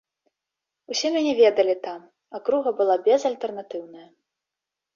Усе мяне ведалі там, акруга была безальтэрнатыўная.